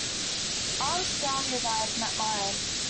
Aunt Dahlia's eyes met mine.